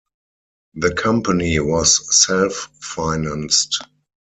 The company was self-financed.